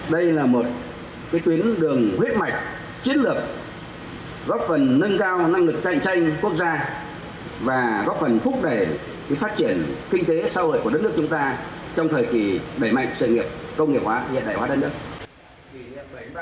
đây là một tuyến đường huyết mạch chiến lược góp phần nâng cao năng lực cạnh tranh quốc gia và góp phần thúc đẩy phát triển kinh tế xã hội của đất nước chúng ta trong thời kỳ đẩy mạnh sự nghiệp công nghiệp hóa hiện đại hóa đất nước